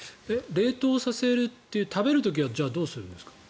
冷凍させるって食べる時はどうするんですか？